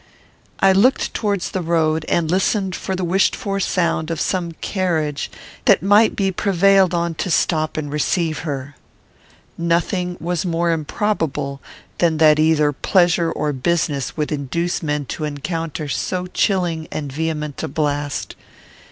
I looked towards the road, and listened for the wished for sound of some carriage that might be prevailed on to stop and receive her. Nothing was more improbable than that either pleasure or business would induce men to encounter so chilling and vehement a blast.